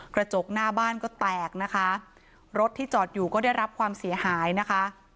กระจกหน้าบ้านก็แตกนะคะรถที่จอดอยู่ก็ได้รับความเสียหายนะคะ